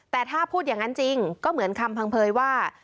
แต่ถ้าพูดอย่างนั้นจริงก็เหมือนคำพังเผยว่า